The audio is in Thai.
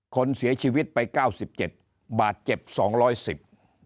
คนเสียชีวิตไป๙๗บาดเจ็บ๒๑๐